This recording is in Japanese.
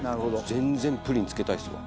全然プリンつけたいっすわ。